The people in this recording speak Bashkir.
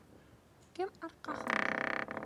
Кем арҡаһында?